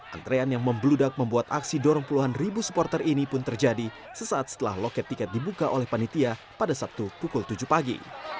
antrean yang membeludak membuat aksi dorong puluhan ribu supporter ini pun terjadi sesaat setelah loket tiket dibuka oleh panitia pada sabtu pukul tujuh pagi